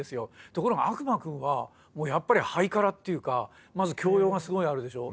ところが「悪魔くん」はもうやっぱりハイカラっていうかまず教養がすごいあるでしょ。